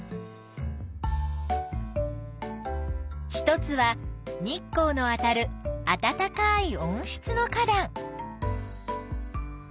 一つは日光のあたるあたたかい温室の花だん。